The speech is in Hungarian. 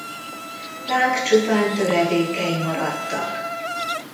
Ránk csupán töredékei maradtak.